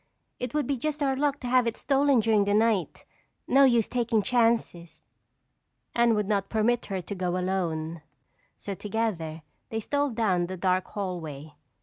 It would be just our luck to have it stolen during the night. No use taking chances." Anne would not permit her to go alone so together they stole down the dark hallway.